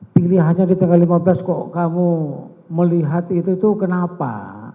pilihannya di tanggal lima belas kok kamu melihat itu itu kenapa